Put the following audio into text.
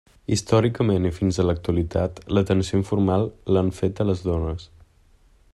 Històricament i fins a l'actualitat, l'atenció informal l'han feta les dones.